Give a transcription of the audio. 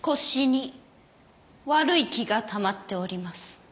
腰に悪い気がたまっております。